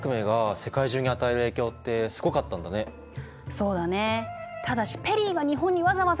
そうだね。